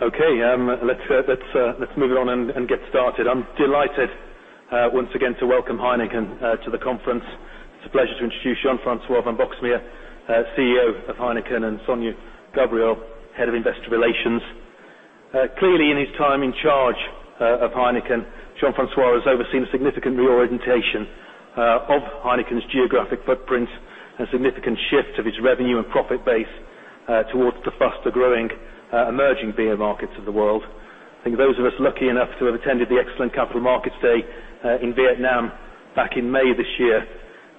Okay. Let's move it on and get started. I'm delighted once again to welcome Heineken to the conference. It's a pleasure to introduce Jean-François van Boxmeer, CEO of Heineken, and Sonya Ghobrial, Head of Investor Relations. Clearly, in his time in charge of Heineken, Jean-François has overseen significant reorientation of Heineken's geographic footprint, a significant shift of its revenue and profit base towards the faster-growing, emerging beer markets of the world. I think those of us lucky enough to have attended the excellent Capital Markets Day in Vietnam back in May this year,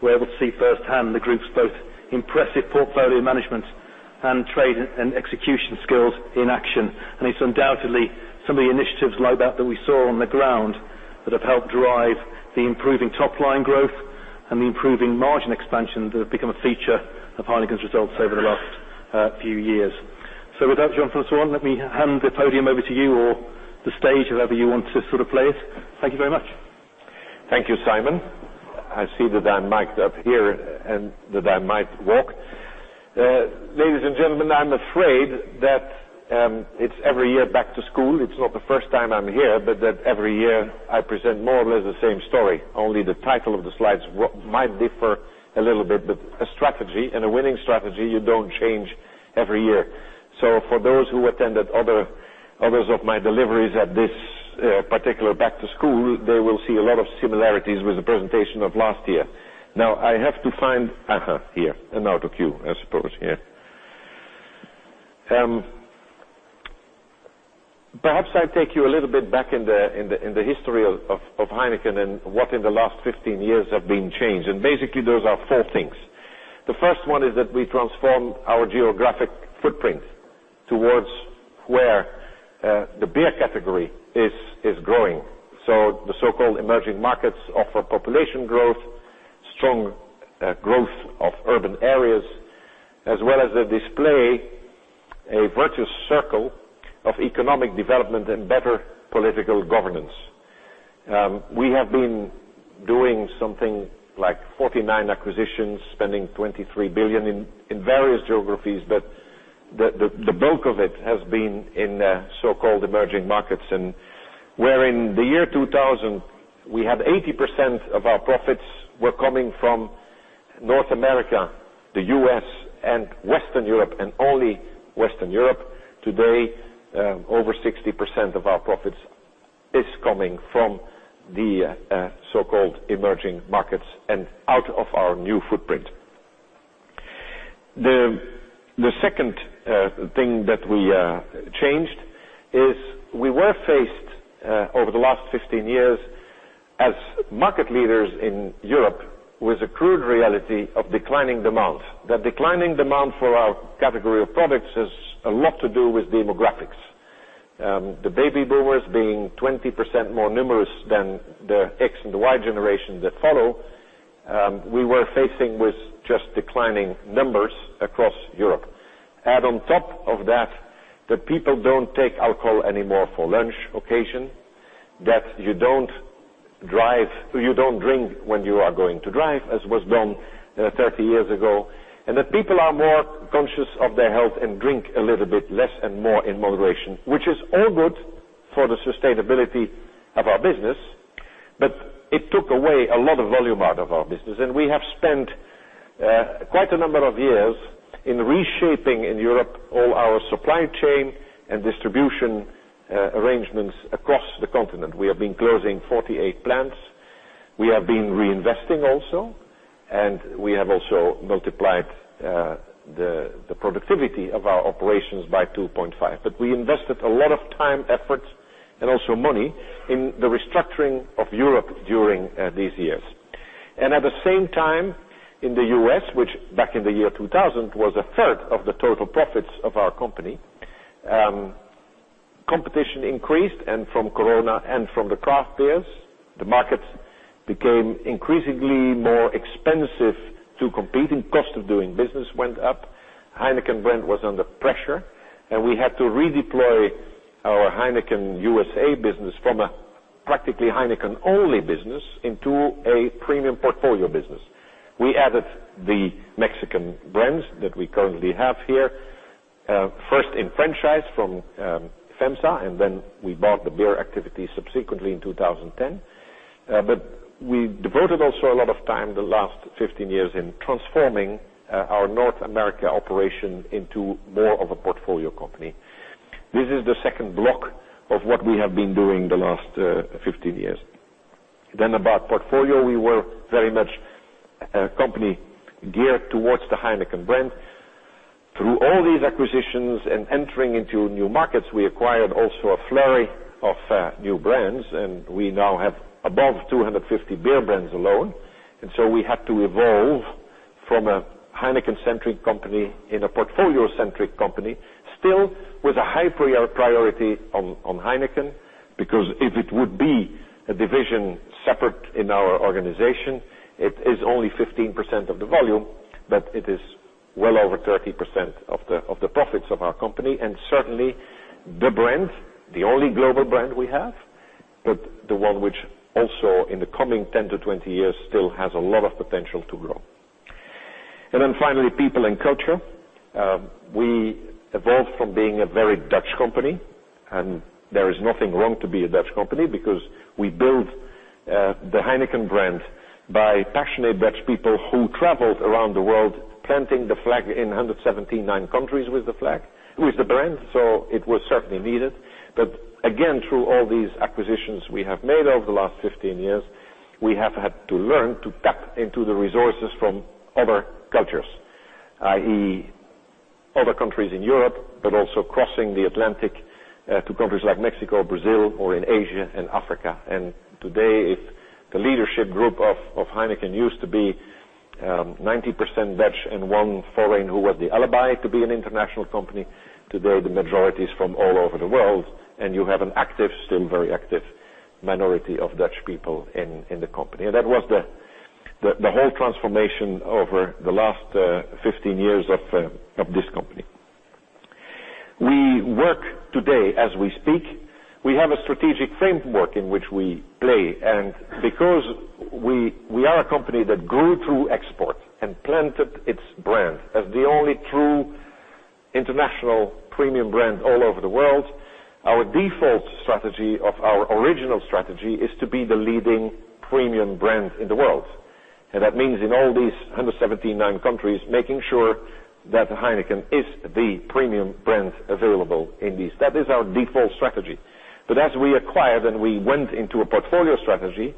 were able to see firsthand the group's both impressive portfolio management and trade and execution skills in action. It's undoubtedly some of the initiatives like that that we saw on the ground that have helped drive the improving top-line growth and the improving margin expansion that have become a feature of Heineken's results over the last few years. With that, Jean-François, let me hand the podium over to you or the stage, however you want to sort of play it. Thank you very much. Thank you, Simon. I see that I'm mic'd up here and that I might walk. Ladies and gentlemen, I'm afraid that it's every year back to school. It's not the first time I'm here, but that every year I present more or less the same story. Only the title of the slides might differ a little bit. A strategy, and a winning strategy, you don't change every year. For those who attended others of my deliveries at this particular back to school, they will see a lot of similarities with the presentation of last year. I have to find Aha, here. Now to cue, I suppose, here. Perhaps I'll take you a little bit back in the history of Heineken and what in the last 15 years have been changed, and basically, those are four things. The first one is that we transformed our geographic footprint towards where the beer category is growing. The so-called emerging markets offer population growth, strong growth of urban areas, as well as they display a virtuous circle of economic development and better political governance. We have been doing something like 49 acquisitions, spending 23 billion in various geographies, but the bulk of it has been in the so-called emerging markets. Where in the year 2000 we had 80% of our profits were coming from North America, the U.S., and Western Europe, and only Western Europe, today, over 60% of our profits is coming from the so-called emerging markets and out of our new footprint. The second thing that we changed is we were faced, over the last 15 years as market leaders in Europe, with the crude reality of declining demand. The declining demand for our category of products has a lot to do with demographics. The baby boomers being 20% more numerous than the X and the Y generation that follow, we were facing with just declining numbers across Europe. Add on top of that people don't take alcohol anymore for lunch occasion, that you don't drink when you are going to drive, as was done 30 years ago, and that people are more conscious of their health and drink a little bit less and more in moderation, which is all good for the sustainability of our business. It took away a lot of volume out of our business, and we have spent quite a number of years in reshaping, in Europe, all our supply chain and distribution arrangements across the continent. We have been closing 48 plants. We have been reinvesting also, and we have also multiplied the productivity of our operations by 2.5. We invested a lot of time, effort, and also money in the restructuring of Europe during these years. At the same time, in the U.S., which back in the year 2000, was a third of the total profits of our company, competition increased, and from Corona and from the craft beers, the market became increasingly more expensive to compete and cost of doing business went up. Heineken brand was under pressure, and we had to redeploy our Heineken USA business from a practically Heineken-only business into a premium portfolio business. We added the Mexican brands that we currently have here, first in franchise from FEMSA, and then we bought the beer activity subsequently in 2010. We devoted also a lot of time the last 15 years in transforming our North America operation into more of a portfolio company. This is the second block of what we have been doing the last 15 years. About portfolio, we were very much a company geared towards the Heineken brand. Through all these acquisitions and entering into new markets, we acquired also a flurry of new brands, and we now have above 250 beer brands alone. We had to evolve from a Heineken-centric company in a portfolio-centric company, still with a high priority on Heineken, because if it would be a division separate in our organization, it is only 15% of the volume, but it is well over 30% of the profits of our company, and certainly the brand, the only global brand we have, but the one which also in the coming 10 to 20 years still has a lot of potential to grow. Finally, people and culture. We evolved from being a very Dutch company, and there is nothing wrong to be a Dutch company because we built the Heineken brand by passionate Dutch people who traveled around the world planting the flag in 179 countries with the brand. It was certainly needed. Again, through all these acquisitions we have made over the last 15 years, we have had to learn to tap into the resources from other cultures, i.e., other countries in Europe, but also crossing the Atlantic, to countries like Mexico, Brazil, or in Asia and Africa. Today, if the leadership group of Heineken used to be 90% Dutch and one foreign who was the alibi to be an international company, today, the majority is from all over the world, and you have an active, still very active minority of Dutch people in the company. That was the whole transformation over the last 15 years of this company. We work today, as we speak, we have a strategic framework in which we play. Because we are a company that grew through export and planted its brand as the only true international premium brand all over the world, our default strategy of our original strategy is to be the leading premium brand in the world. That means in all these 179 countries, making sure that Heineken is the premium brand available in these. That is our default strategy. As we acquired and we went into a portfolio strategy,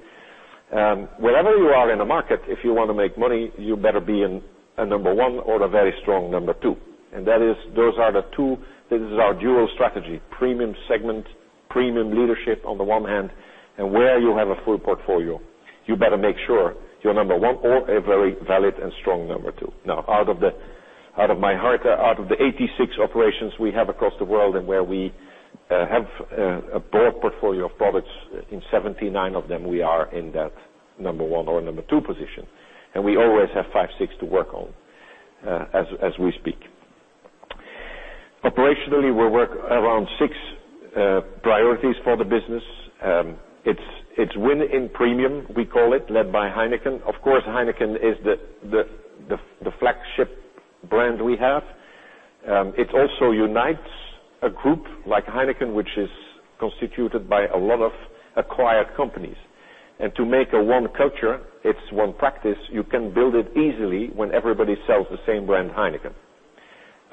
wherever you are in the market, if you want to make money, you better be a number one or a very strong number two. This is our dual strategy, premium segment, premium leadership on the one hand, and where you have a full portfolio, you better make sure you're number one or a very valid and strong number two. Out of my heart, out of the 86 operations we have across the world and where we have a broad portfolio of products, in 79 of them, we are in that number one or number two position. We always have five, six to work on as we speak. Operationally, we work around six priorities for the business. It's win in premium, we call it, led by Heineken. Of course, Heineken is the flagship brand we have. It also unites a group like Heineken, which is constituted by a lot of acquired companies. To make one culture, it's one practice. You can build it easily when everybody sells the same brand, Heineken,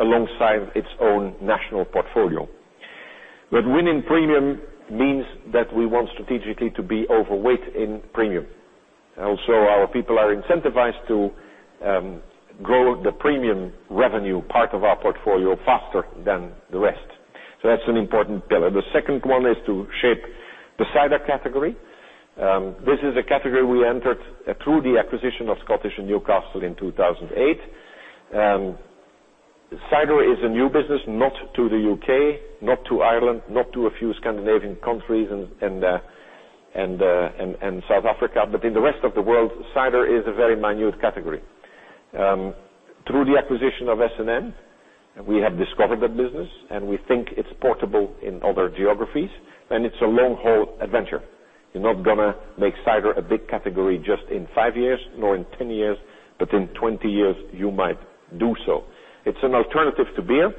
alongside its own national portfolio. Winning premium means that we want strategically to be overweight in premium. Our people are incentivized to grow the premium revenue part of our portfolio faster than the rest. That's an important pillar. The second one is to shape the cider category. This is a category we entered through the acquisition of Scottish & Newcastle in 2008. Cider is a new business, not to the U.K., not to Ireland, not to a few Scandinavian countries and South Africa. In the rest of the world, cider is a very minute category. Through the acquisition of S&N, we have discovered that business, we think it's portable in other geographies, and it's a long-haul adventure. You're not going to make cider a big category just in five years, nor in 10 years, but in 20 years, you might do so. It's an alternative to beer.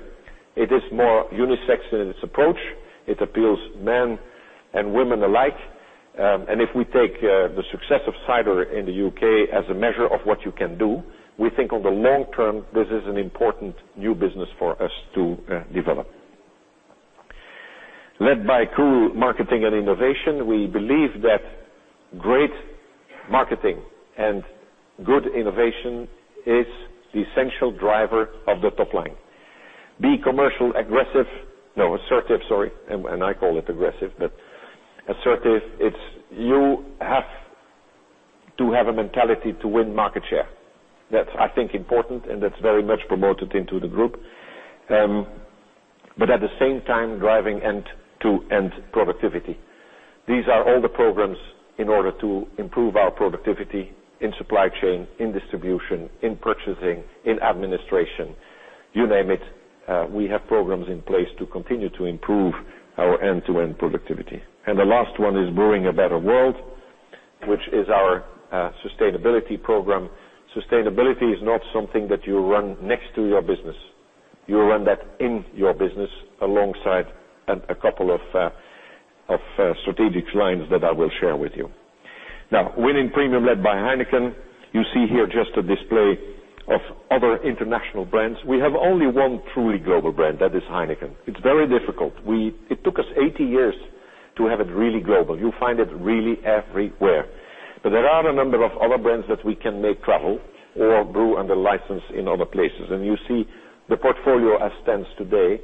It is more unisex in its approach. It appeals to men and women alike. If we take the success of cider in the U.K. as a measure of what you can do, we think on the long term, this is an important new business for us to develop. Led by true marketing and innovation, we believe that great marketing and good innovation is the essential driver of the top line. Be commercial, aggressive. No, assertive, sorry. I call it aggressive. Assertive, it's you have to have a mentality to win market share. That's, I think, important, and that's very much promoted into the group. At the same time, driving end-to-end productivity. These are all the programs in order to improve our productivity in supply chain, in distribution, in purchasing, in administration, you name it. We have programs in place to continue to improve our end-to-end productivity. The last one is Brewing a Better World, which is our sustainability program. Sustainability is not something that you run next to your business. You run that in your business alongside a couple of strategic lines that I will share with you. Now, winning premium led by Heineken. You see here just a display of other international brands. We have only one truly global brand, that is Heineken. It's very difficult. It took us 80 years to have it really global. You find it really everywhere. There are a number of other brands that we can make travel or brew under license in other places. You see the portfolio as it stands today,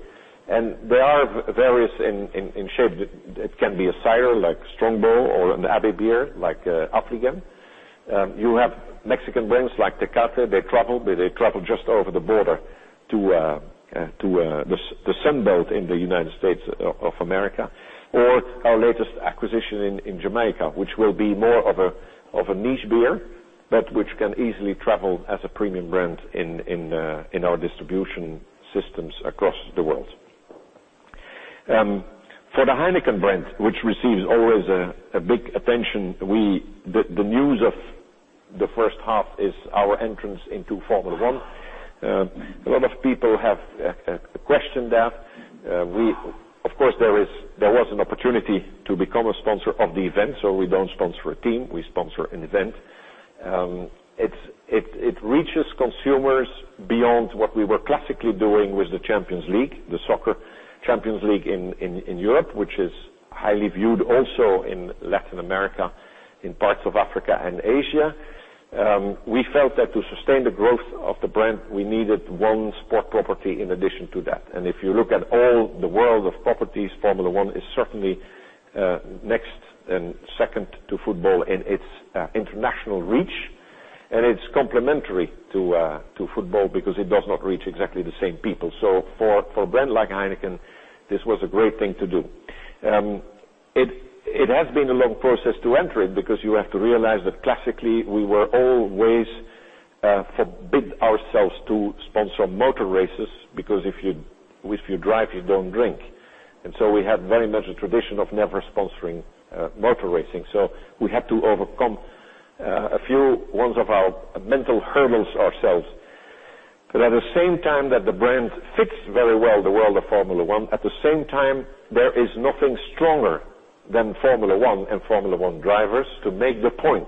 and there are various in shape. It can be a cider like Strongbow or an abbey beer like Affligem. You have Mexican brands like Tecate. They travel, but they travel just over the border to the Sun Belt in the United States of America. Our latest acquisition in Jamaica, which will be more of a niche beer, but which can easily travel as a premium brand in our distribution systems across the world. For the Heineken brand, which receives always a big attention, the news of the first half is our entrance into Formula 1. A lot of people have questioned that. Of course, there was an opportunity to become a sponsor of the event. We don't sponsor a team, we sponsor an event. It reaches consumers beyond what we were classically doing with the Champions League, the soccer Champions League in Europe, which is highly viewed also in Latin America, in parts of Africa and Asia. We felt that to sustain the growth of the brand, we needed one sport property in addition to that. If you look at all the world of properties, Formula 1 is certainly next and second to football in its international reach. It's complementary to football because it does not reach exactly the same people. For a brand like Heineken, this was a great thing to do. It has been a long process to enter it because you have to realize that classically we were always forbid ourselves to sponsor motor races, because if you drive, you don't drink. We had very much a tradition of never sponsoring motor racing. We had to overcome a few ones of our mental hurdles ourselves. At the same time that the brand fits very well the world of Formula 1, at the same time, there is nothing stronger than Formula 1 and Formula 1 drivers to make the point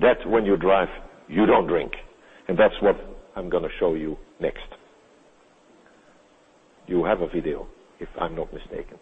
that when you drive, you don't drink. That's what I'm going to show you next. You have a video, if I'm not mistaken.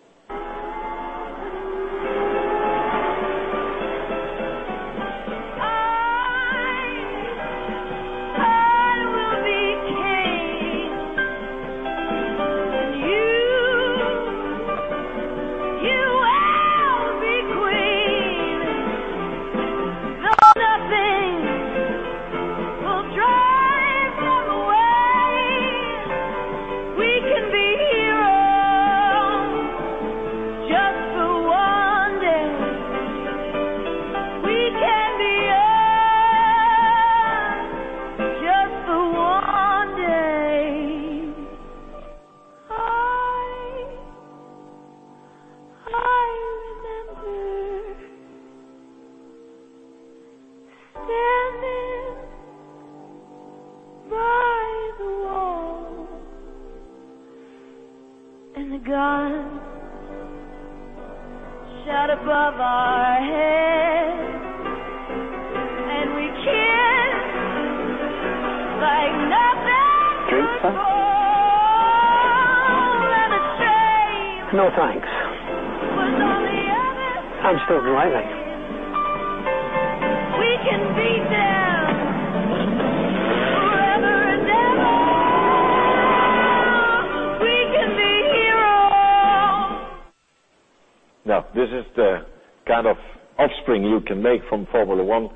I will be king. You will be queen. Though nothing will drive them away. We can be heroes, just for one day. We can be heroes, just for one day. I remember standing by the wall. The guns shot above our heads. We kissed like nothing could fall. Drink, sir? It seems. No, thanks We're on the other side. I'm still driving. We can beat them forever and ever. We can be heroes. This is the kind of offspring you can make from Formula 1.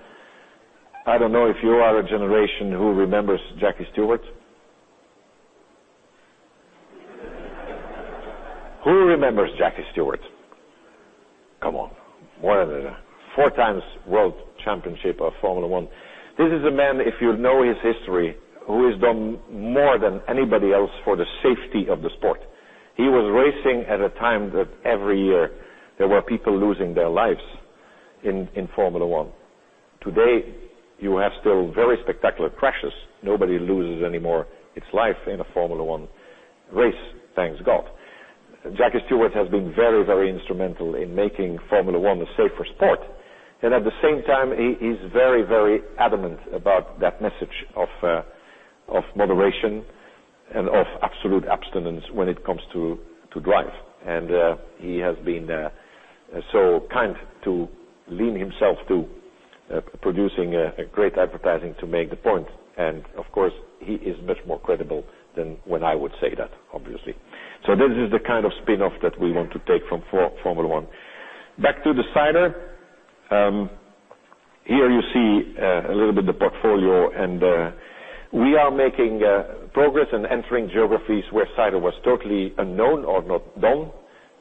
I don't know if you are a generation who remembers Jackie Stewart. Who remembers Jackie Stewart? Come on. More than four times world championship of Formula 1. This is a man, if you know his history, who has done more than anybody else for the safety of the sport. He was racing at a time that every year there were people losing their lives in Formula 1. Today, you have still very spectacular crashes. Nobody loses anymore its life in a Formula 1 race, thank God. Jackie Stewart has been very, very instrumental in making Formula 1 a safer sport. At the same time, he is very, very adamant about that message of moderation and of absolute abstinence when it comes to drive. He has been so kind to lend himself to producing a great advertising to make the point. Of course, he is much more credible than when I would say that, obviously. This is the kind of spin-off that we want to take from Formula 1. Back to the cider. Here you see a little bit the portfolio, and we are making progress in entering geographies where cider was totally unknown or not done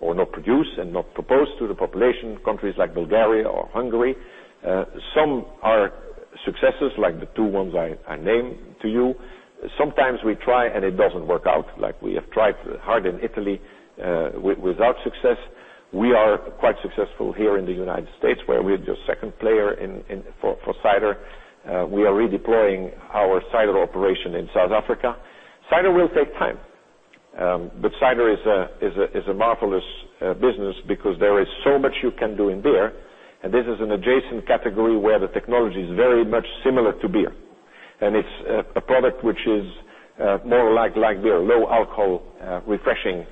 or not produced and not proposed to the population, countries like Bulgaria or Hungary. Some are successes, like the two ones I named to you. Sometimes we try and it doesn't work out, like we have tried hard in Italy without success. We are quite successful here in the U.S., where we're the second player for cider. We are redeploying our cider operation in South Africa. Cider will take time. Cider is a marvelous business because there is so much you can do in beer, this is an adjacent category where the technology is very much similar to beer. It's a product which is more like beer, low alcohol, refreshing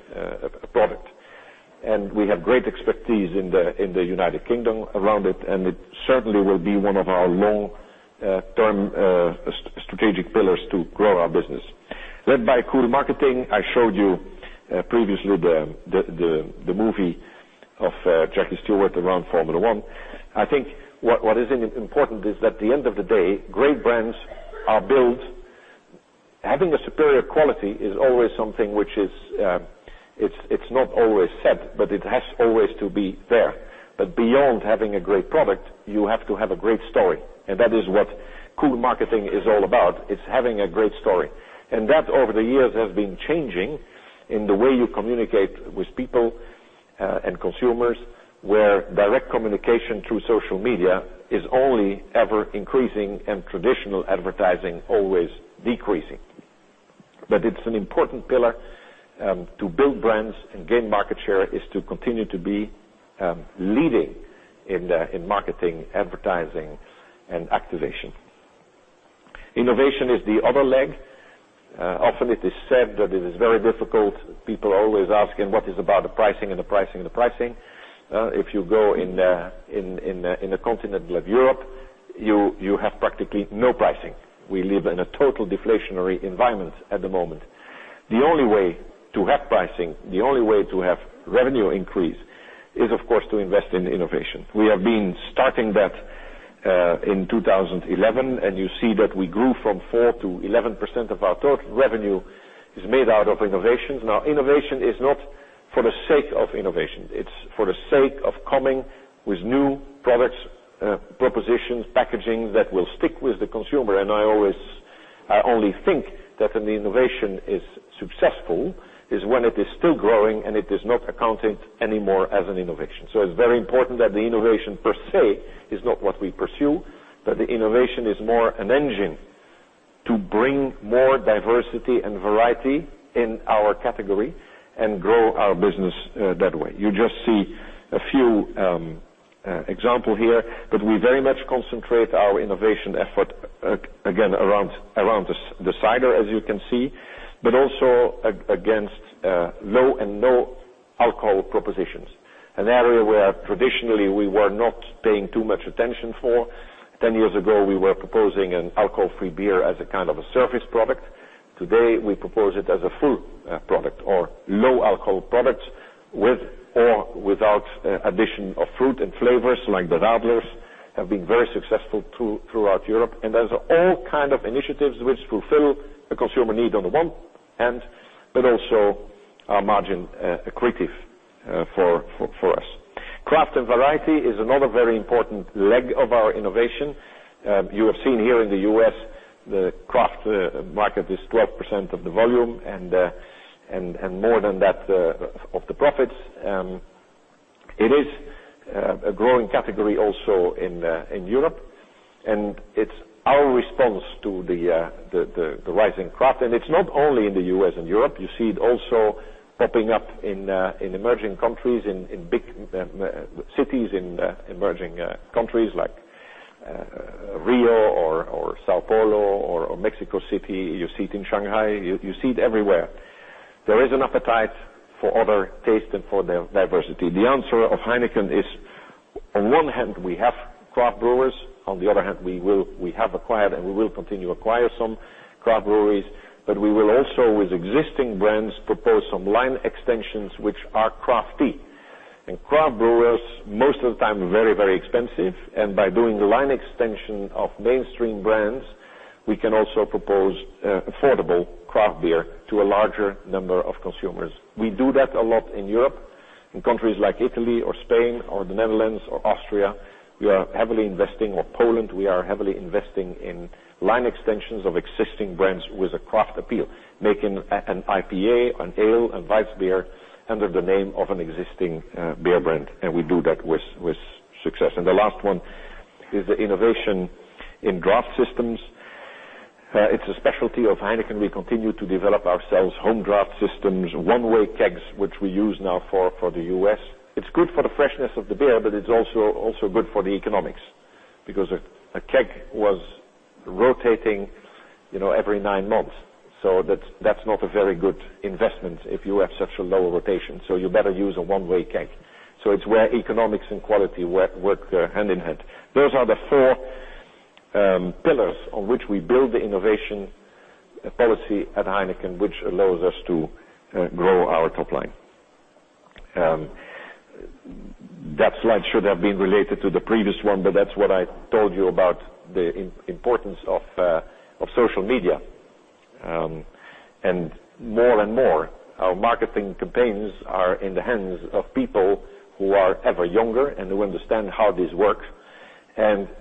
product. We have great expertise in the U.K. around it, and it certainly will be one of our long-term strategic pillars to grow our business. Led by cool marketing, I showed you previously the movie of Jackie Stewart around Formula 1. I think what is important is that at the end of the day, great brands are built. Having a superior quality is always something which is, it's not always said, but it has always to be there. Beyond having a great product, you have to have a great story. That is what cool marketing is all about is having a great story. That, over the years, has been changing in the way you communicate with people and consumers, where direct communication through social media is only ever increasing and traditional advertising always decreasing. It's an important pillar to build brands and gain market share, is to continue to be leading in marketing, advertising, and activation. Innovation is the other leg. Often it is said that it is very difficult. People are always asking, what is about the pricing? If you go in a continent like Europe, you have practically no pricing. We live in a total deflationary environment at the moment. The only way to have pricing, the only way to have revenue increase, is, of course, to invest in innovation. We have been starting that in 2011, and you see that we grew from 4%-11% of our total revenue is made out of innovations. Innovation is not for the sake of innovation. It's for the sake of coming with new products, propositions, packaging that will stick with the consumer. I only think that an innovation is successful is when it is still growing, and it is not accounted anymore as an innovation. It's very important that the innovation per se is not what we pursue, but the innovation is more an engine to bring more diversity and variety in our category and grow our business that way. You just see a few example here, but we very much concentrate our innovation effort, again, around the cider, as you can see, but also against low and no alcohol propositions, an area where traditionally we were not paying too much attention for. 10 years ago, we were proposing an alcohol-free beer as a kind of a surface product. Today, we propose it as a full product or low-alcohol product with or without addition of fruit and flavors, like the Radlers, have been very successful throughout Europe. Those are all kind of initiatives which fulfill a consumer need on the one hand, but also are margin accretive for us. Craft and variety is another very important leg of our innovation. You have seen here in the U.S., the craft market is 12% of the volume and more than that of the profits. It is a growing category also in Europe, and it's our response to the rise in craft. It's not only in the U.S. and Europe, you see it also popping up in emerging countries, in big cities, in emerging countries like Rio or São Paulo or Mexico City. You see it in Shanghai. You see it everywhere. There is an appetite for other tastes and for diversity. The answer of Heineken is, on one hand, we have craft brewers. On the other hand, we have acquired and we will continue to acquire some craft breweries, but we will also, with existing brands, propose some line extensions which are crafty. Craft brewers, most of the time, are very expensive, and by doing the line extension of mainstream brands, we can also propose affordable craft beer to a larger number of consumers. We do that a lot in Europe. In countries like Italy or Spain or the Netherlands or Austria, we are heavily investing. Or Poland, we are heavily investing in line extensions of existing brands with a craft appeal, making an IPA, an ale, a weissbier under the name of an existing beer brand, and we do that with success. The last one is the innovation in draft systems. It's a specialty of Heineken. We continue to develop ourselves, home draft systems, one-way kegs, which we use now for the U.S. It's good for the freshness of the beer, but it's also good for the economics because a keg was rotating every nine months. That's not a very good investment if you have such a low rotation. You better use a one-way keg. It's where economics and quality work hand in hand. Those are the four pillars on which we build the innovation policy at Heineken, which allows us to grow our top line. That slide should have been related to the previous one, but that's what I told you about the importance of social media. More and more, our marketing campaigns are in the hands of people who are ever younger and who understand how this works.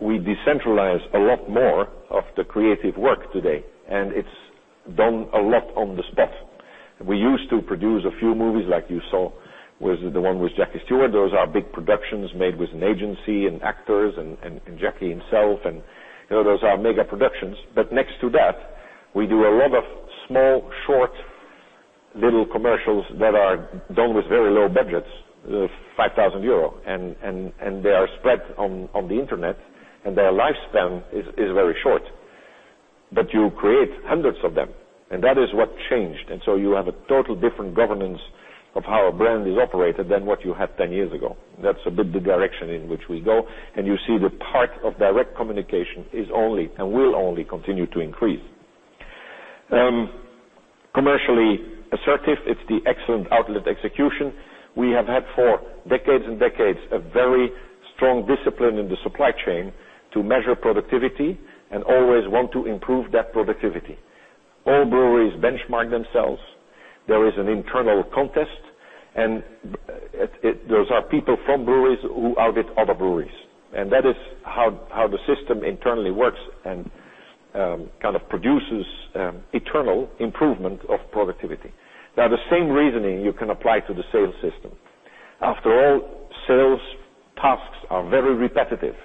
We decentralize a lot more of the creative work today, and it's done a lot on the spot. We used to produce a few movies, like you saw with the one Jackie Stewart. Those are big productions made with an agency and actors and Jackie himself, and those are mega productions. Next to that, we do a lot of small, short, little commercials that are done with very low budgets, 5,000 euro, and they are spread on the internet, and their lifespan is very short. You create hundreds of them, and that is what changed. You have a total different governance of how a brand is operated than what you had 10 years ago. That's a bit the direction in which we go. You see the part of direct communication is only and will only continue to increase. Commercially assertive, it's the excellent outlet execution. We have had for decades and decades a very strong discipline in the supply chain to measure productivity and always want to improve that productivity. All breweries benchmark themselves. There is an internal contest, and those are people from breweries who audit other breweries. That is how the system internally works and kind of produces internal improvement of productivity. The same reasoning you can apply to the sales system. After all, sales tasks are very repetitive.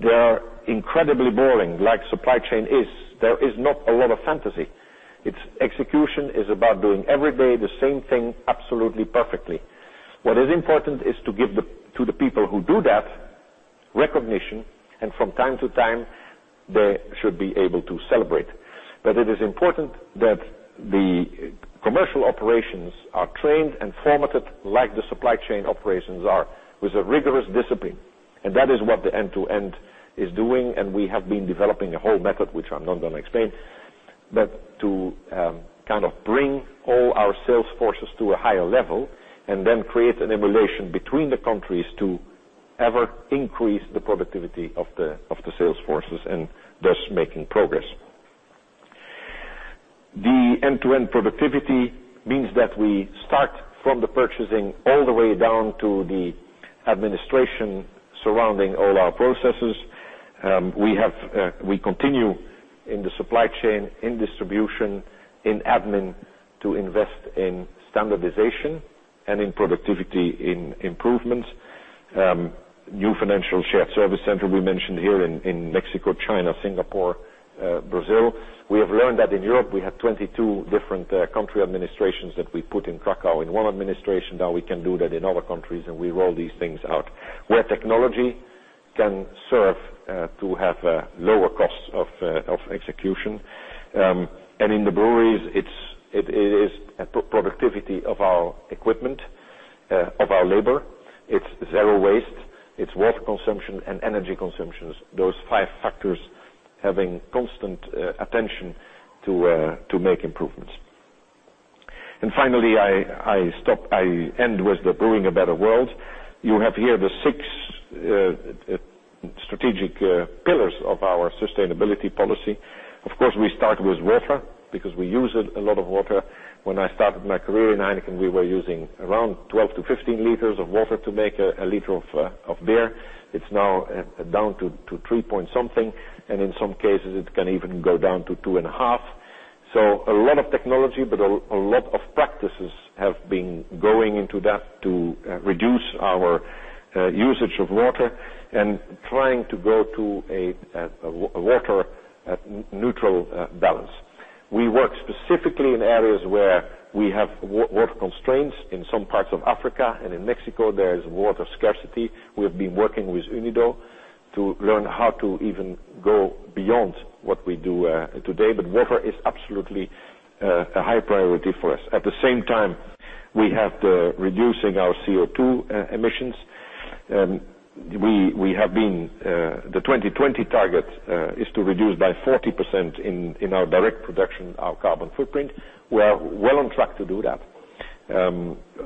They are incredibly boring, like supply chain is. There is not a lot of fantasy. Its execution is about doing every day the same thing absolutely perfectly. What is important is to give to the people who do that recognition, and from time to time, they should be able to celebrate. It is important that the commercial operations are trained and formatted like the supply chain operations are, with a rigorous discipline. That is what the end-to-end is doing, and we have been developing a whole method, which I'm not going to explain. To kind of bring all our sales forces to a higher level and then create an emulation between the countries to ever increase the productivity of the sales forces and thus making progress. The end-to-end productivity means that we start from the purchasing all the way down to the administration surrounding all our processes. We continue in the supply chain, in distribution, in admin, to invest in standardization and in productivity in improvements. New financial shared service center we mentioned here in Mexico, China, Singapore, Brazil. We have learned that in Europe we have 22 different country administrations that we put in Krakow. In one administration, now we can do that in other countries, and we roll these things out. Where technology can serve to have lower costs of execution. In the breweries, it is productivity of our equipment, of our labor. It's zero waste, it's water consumption and energy consumptions. Those five factors having constant attention to make improvements. Finally, I end with the Brewing a Better World. You have here the six strategic pillars of our sustainability policy. Of course, we start with water because we use a lot of water. When I started my career in Heineken, we were using around 12 to 15 liters of water to make a liter of beer. A lot of technology, but a lot of practices have been going into that to reduce our usage of water and trying to go to a water neutral balance. We work specifically in areas where we have water constraints. In some parts of Africa and in Mexico, there is water scarcity. We have been working with UNIDO to learn how to even go beyond what we do today. Water is absolutely a high priority for us. At the same time, we have the reducing our CO2 emissions. The 2020 target is to reduce by 40% in our direct production, our carbon footprint. We are well on track to do that.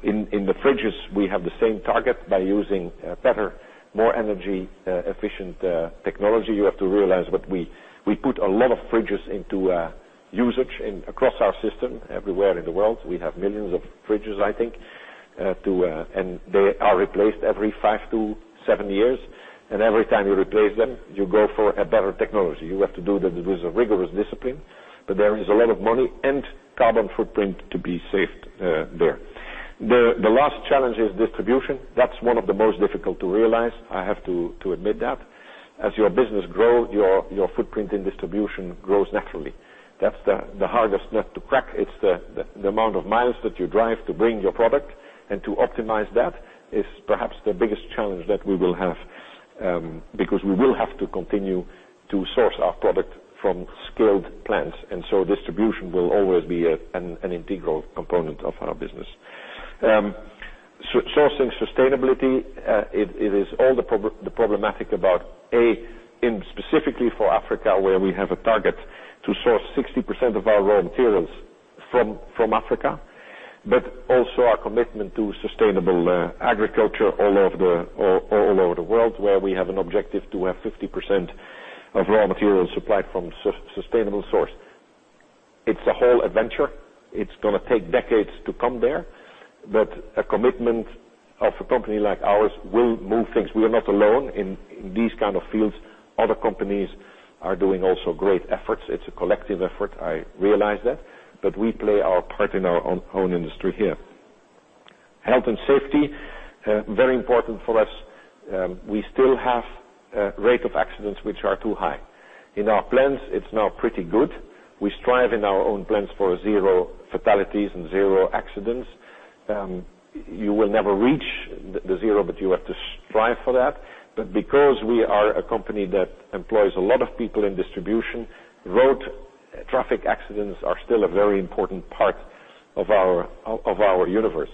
In the fridges, we have the same target by using better, more energy efficient technology. You have to realize that we put a lot of fridges into usage across our system everywhere in the world. We have millions of fridges, I think, and they are replaced every five to seven years. Every time you replace them, you go for a better technology. You have to do that with a rigorous discipline, but there is a lot of money and carbon footprint to be saved there. The last challenge is distribution. That's one of the most difficult to realize, I have to admit that. As your business grows, your footprint in distribution grows naturally. That's the hardest nut to crack. It's the amount of miles that you drive to bring your product and to optimize that is perhaps the biggest challenge that we will have, because we will have to continue to source our product from skilled plants. Distribution will always be an integral component of our business. Sourcing sustainability, it is all the problematic about, A, in specifically for Africa, where we have a target to source 60% of our raw materials from Africa, but also our commitment to sustainable agriculture all over the world, where we have an objective to have 50% of raw materials supplied from sustainable source. It's a whole adventure. It's going to take decades to come there. A commitment of a company like ours will move things. We are not alone in these kind of fields. Other companies are doing also great efforts. It's a collective effort, I realize that. We play our part in our own industry here. Health and safety, very important for us. We still have rate of accidents which are too high. In our plants, it's now pretty good. We strive in our own plants for zero fatalities and zero accidents. You will never reach the zero, but you have to strive for that. Because we are a company that employs a lot of people in distribution, road traffic accidents are still a very important part of our universe.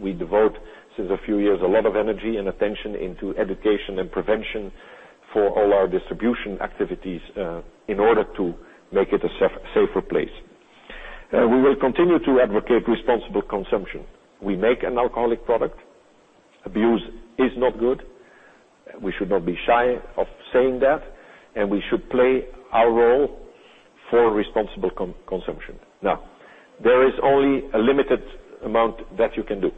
We devote, since a few years, a lot of energy and attention into education and prevention for all our distribution activities in order to make it a safer place. We will continue to advocate responsible consumption. We make an alcoholic product. Abuse is not good. We should not be shy of saying that, and we should play our role for responsible consumption. There is only a limited amount that you can do.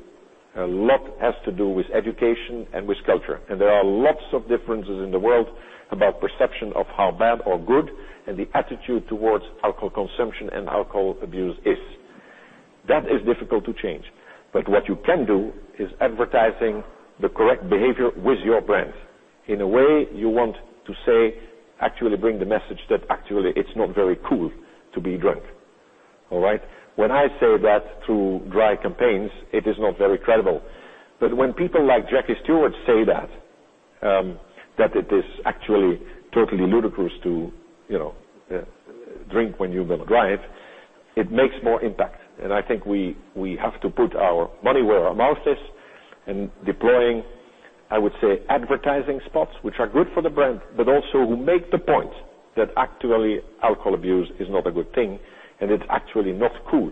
A lot has to do with education and with culture. There are lots of differences in the world about perception of how bad or good, and the attitude towards alcohol consumption and alcohol abuse is. That is difficult to change. What you can do is advertising the correct behavior with your brand in a way you want to say, actually bring the message that it's not very cool to be drunk. All right. When people like Jackie Stewart say that it is actually totally ludicrous to drink when you're going to drive, it makes more impact. I think we have to put our money where our mouth is and deploying, I would say, advertising spots, which are good for the brand, but also make the point that actually alcohol abuse is not a good thing and it's actually not cool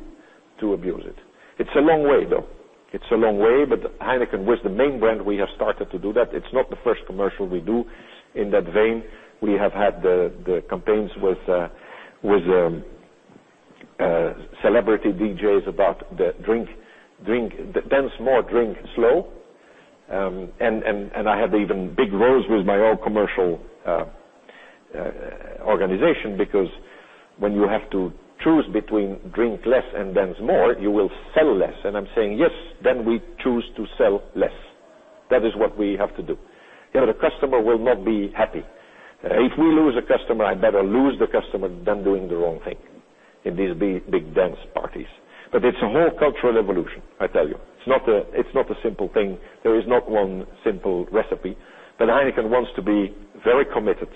to abuse it. It's a long way, though. It's a long way, Heineken, with the main brand, we have started to do that. It's not the first commercial we do in that vein. We have had the campaigns with celebrity DJs about the Dance More, Drink Slow. I have even big rows with my own commercial organization because when you have to choose between drink less and dance more, you will sell less. I'm saying, yes, then we choose to sell less. That is what we have to do. The customer will not be happy. If we lose a customer, I better lose the customer than doing the wrong thing in these big dance parties. It's a whole cultural evolution, I tell you. It's not a simple thing. There is not one simple recipe. Heineken wants to be very committed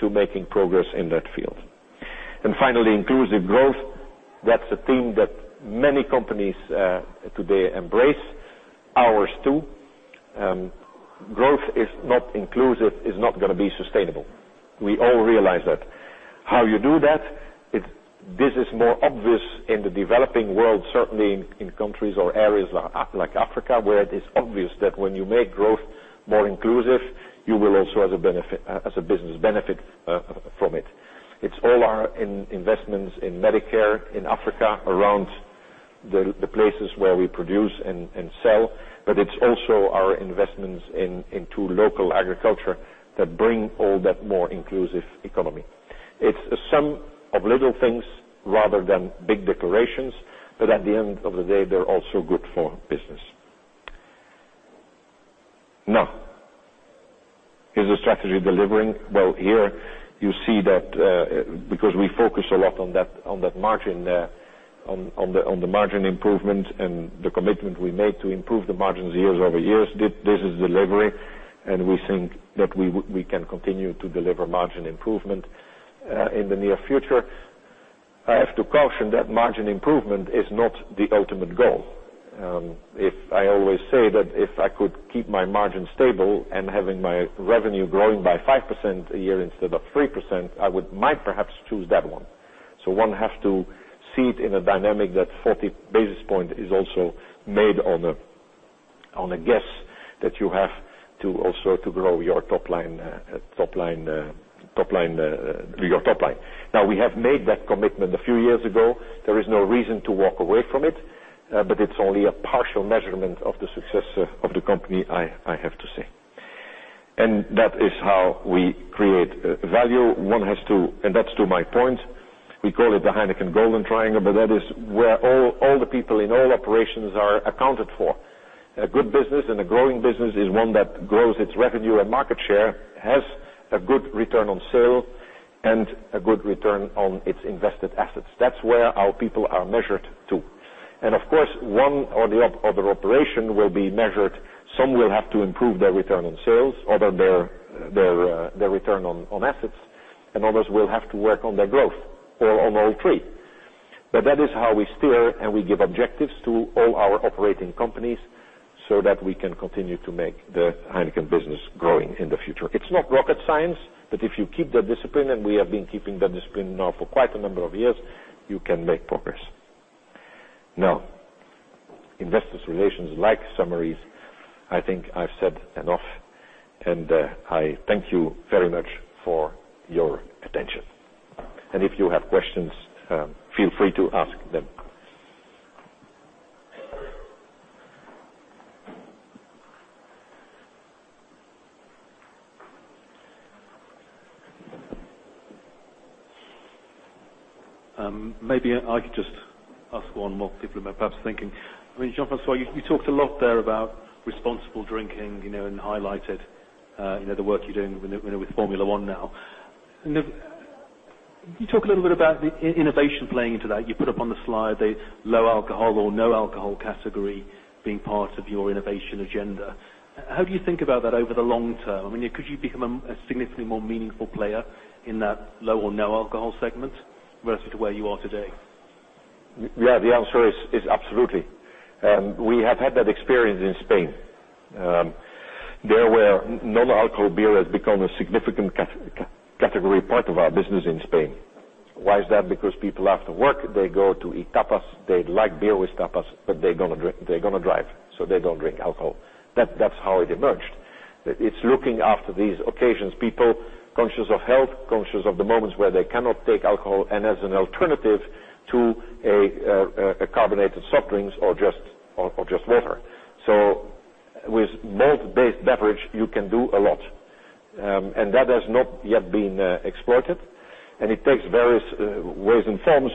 to making progress in that field. Finally, inclusive growth, that's a theme that many companies today embrace. Ours, too. Growth is not inclusive, is not going to be sustainable. We all realize that. How you do that, this is more obvious in the developing world, certainly in countries or areas like Africa, where it is obvious that when you make growth more inclusive, you will also, as a business, benefit from it. It's all our investments in Medicare in Africa, around the places where we produce and sell. It's also our investments into local agriculture that bring all that more inclusive economy. It's a sum of little things rather than big declarations, at the end of the day, they're also good for business. Now, is the strategy delivering? Here you see that because we focus a lot on the margin improvement and the commitment we made to improve the margins year-over-year, this is delivery, and we think that we can continue to deliver margin improvement in the near future. I have to caution that margin improvement is not the ultimate goal. If I always say that if I could keep my margin stable and having my revenue growing by 5% a year instead of 3%, I would might perhaps choose that one. One have to see it in a dynamic that 40 basis point is also made on a guess that you have to also to grow your top line. We have made that commitment a few years ago. There is no reason to walk away from it, but it's only a partial measurement of the success of the company, I have to say. That is how we create value. One has to, and that's to my point, we call it the Heineken Golden Triangle, but that is where all the people in all operations are accounted for. A good business and a growing business is one that grows its revenue and market share, has a good return on sale, and a good return on its invested assets. That's where our people are measured to. Of course, one or the other operation will be measured. Some will have to improve their return on sales, other their return on assets, and others will have to work on their growth, or on all three. That is how we steer, and we give objectives to all our operating companies so that we can continue to make the Heineken business growing in the future. It's not rocket science, but if you keep the discipline, and we have been keeping the discipline now for quite a number of years, you can make progress. Investor Relations like summaries. I think I've said enough, and I thank you very much for your attention. If you have questions, feel free to ask them. Maybe I could just ask one more. People are perhaps thinking, Jean-François, you talked a lot there about responsible drinking, and highlighted the work you're doing with Formula 1 now. Can you talk a little bit about the innovation playing into that? You put up on the slide the low alcohol or no alcohol category being part of your innovation agenda. How do you think about that over the long term? Could you become a significantly more meaningful player in that low or no alcohol segment versus where you are today? The answer is absolutely. We have had that experience in Spain. There, where non-alcohol beer has become a significant category part of our business in Spain. Why is that? Because people, after work, they go to eat tapas. They like beer with tapas, but they're going to drive, so they don't drink alcohol. That's how it emerged. It's looking after these occasions, people conscious of health, conscious of the moments where they cannot take alcohol, and as an alternative to carbonated soft drinks or just water. With malt-based beverage, you can do a lot. That has not yet been exploited. It takes various ways and forms.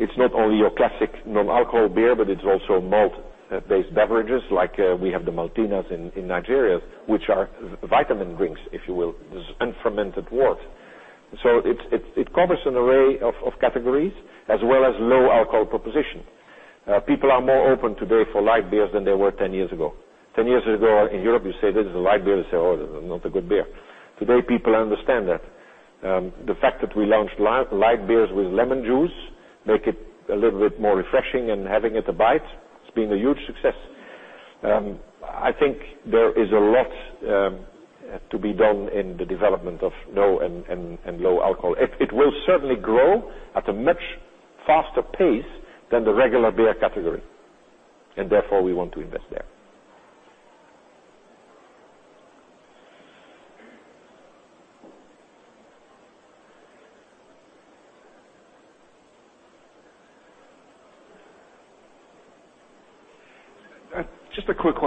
It's not only your classic non-alcohol beer, but it's also malt-based beverages. Like we have the Maltina in Nigeria, which are vitamin drinks, if you will, unfermented wort. It covers an array of categories as well as low-alcohol proposition. People are more open today for light beers than they were 10 years ago. 10 years ago, in Europe, you say, "This is a light beer." They say, "Oh, this is not a good beer." Today, people understand that. The fact that we launched light beers with lemon juice, make it a little bit more refreshing and having it a bite, it's been a huge success. I think there is a lot to be done in the development of no- and low-alcohol. It will certainly grow at a much faster pace than the regular beer category. Therefore, we want to invest there.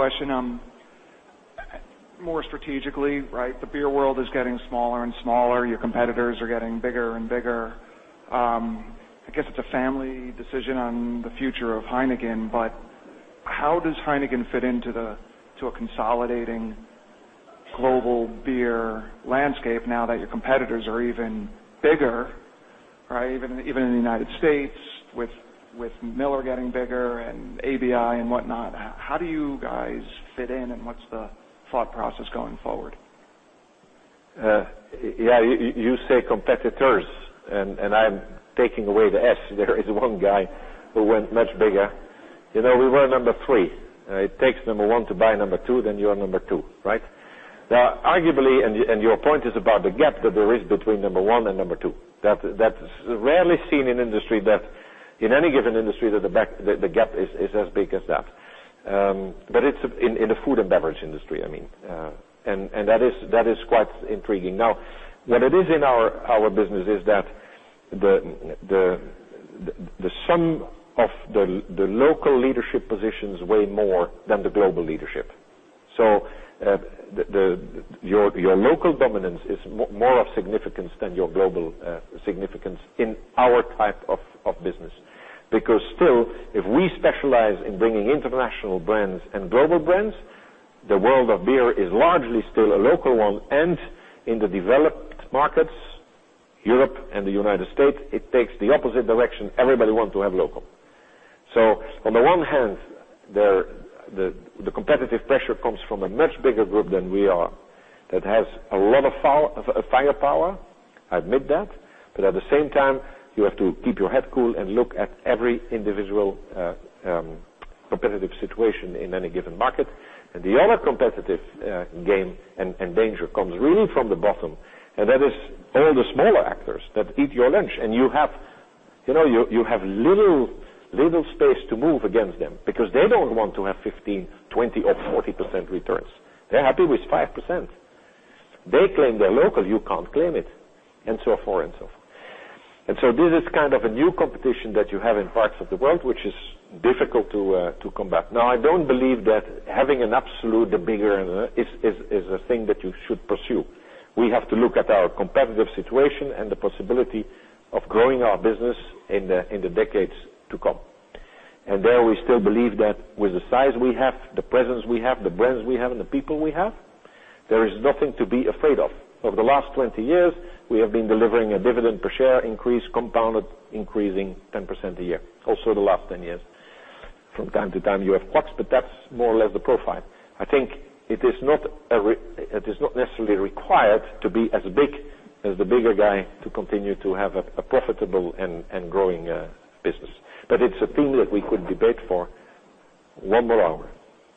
Just a quick question. More strategically, the beer world is getting smaller and smaller. Your competitors are getting bigger and bigger. I guess it's a family decision on the future of Heineken, how does Heineken fit into a consolidating global beer landscape now that your competitors are even bigger? Even in the U.S., with Miller getting bigger and ABI and whatnot, how do you guys fit in, and what's the thought process going forward? You say competitors, I'm taking away the S there. There is one guy who went much bigger. We were number 3. It takes number 1 to buy number 2, then you are number 2. Arguably, your point is about the gap that there is between number 1 and number 2. That's rarely seen in any given industry that the gap is as big as that. It's in the food and beverage industry, I mean. That is quite intriguing. What it is in our business is that the sum of the local leadership positions weigh more than the global leadership. Your local dominance is more of significance than your global significance in our type of business. Still, if we specialize in bringing international brands and global brands, the world of beer is largely still a local one. In the developed markets, Europe and the U.S., it takes the opposite direction. Everybody want to have local. On the one hand, the competitive pressure comes from a much bigger group than we are that has a lot of firepower. I admit that. At the same time, you have to keep your head cool and look at every individual competitive situation in any given market. The other competitive game and danger comes really from the bottom, that is all the smaller actors that eat your lunch, and you have little space to move against them because they don't want to have 15%, 20%, or 40% returns. They're happy with 5%. They claim they're local, you can't claim it, and so forth. This is kind of a new competition that you have in parts of the world, which is difficult to combat. Now, I don't believe that having an absolute, the bigger is a thing that you should pursue. We have to look at our competitive situation and the possibility of growing our business in the decades to come. There, we still believe that with the size we have, the presence we have, the brands we have, and the people we have, there is nothing to be afraid of. Over the last 20 years, we have been delivering a dividend per share increase, compounded increasing 10% a year. Also, the last 10 years. From time to time, you have flux, but that's more or less the profile. I think it is not necessarily required to be as big as the bigger guy to continue to have a profitable and growing business. It's a thing that we could debate for one more hour.